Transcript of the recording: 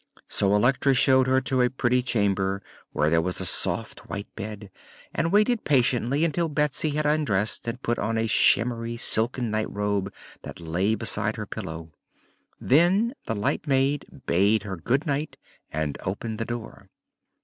So Electra showed her to a pretty chamber where there was a soft, white bed, and waited patiently until Betsy had undressed and put on a shimmery silken nightrobe that lay beside her pillow. Then the light maid bade her good night and opened the door.